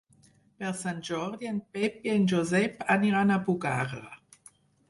Per Sant Jordi en Pep i en Josep aniran a Bugarra.